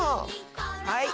はい。